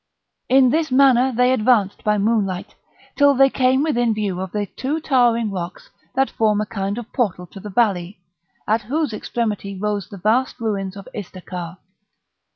In this manner they advanced by moonlight, till they came within view of the two towering rocks that form a kind of portal to the valley, at whose extremity rose the vast ruins of Istakar.